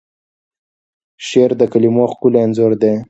شعر د کلیمو ښکلی انځور دی.